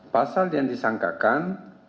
pasal yang disangkakan